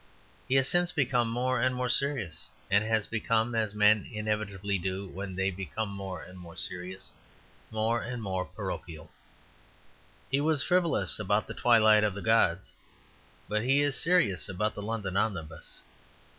He has since become more and more serious, and has become, as men inevitably do when they become more and more serious, more and more parochial. He was frivolous about the twilight of the gods; but he is serious about the London omnibus.